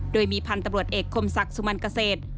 โดยมีพันธุ์ตำรวจเอกคมศักดิ์สุมันเกษตร